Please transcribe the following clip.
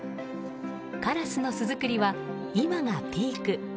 カラスの巣作りは今がピーク。